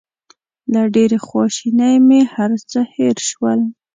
له ډېرې خواشینۍ مې هر څه هېر شول.